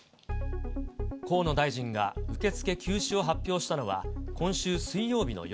河野大臣が受け付け休止を発表したのは、今週水曜日の夜。